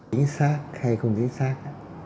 tính xác hay không tính xác